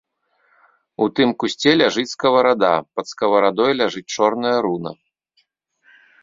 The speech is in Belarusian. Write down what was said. У тым кусце ляжыць скаварада, пад скаварадой ляжыць чорная руна.